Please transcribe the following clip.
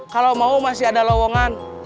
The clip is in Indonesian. kalau mau masih ada lowongan